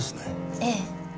ええ。